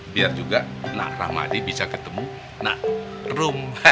biar juga nak rahmadi bisa ketemu nak rum